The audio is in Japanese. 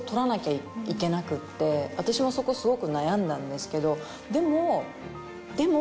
私もそこすごく悩んだんですけどでもでも。